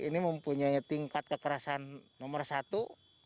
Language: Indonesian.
ini mempunyai tingkat kekerasan nomor satu